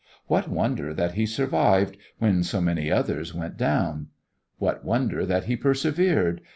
What wonder that he survived when so many others went down? What wonder that he persevered?